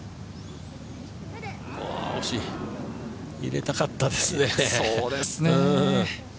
入れたかったですね。